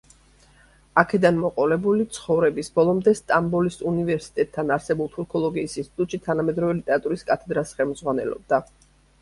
აქედან მოყოლებული ცხოვრების ბოლომდე სტამბოლის უნივერსიტეტთან არსებულ თურქოლოგიის ინსტიტუტში თანამედროვე ლიტერატურას კათედრას ხელმძღვანელობდა.